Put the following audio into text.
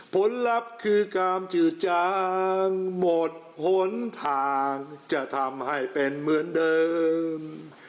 ผลลัพธ์คือการจืดจางหมดหนทางจะทำให้เป็นเหมือนเดิม